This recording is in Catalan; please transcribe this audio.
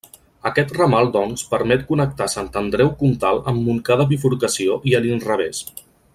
Aquest ramal doncs permet connectar Sant Andreu Comtal amb Montcada Bifurcació i a l'inrevés.